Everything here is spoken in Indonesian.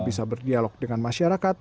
pembeli beli pegang gagal arissa